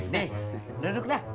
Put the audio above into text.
nih duduk dah